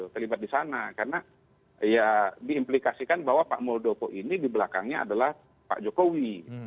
terlibat di sana karena ya diimplikasikan bahwa pak muldoko ini di belakangnya adalah pak jokowi